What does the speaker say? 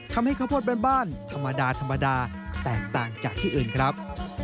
ทำให้ข้อพูดบ้านธรรมดาแตกต่างจากที่อื่นครับ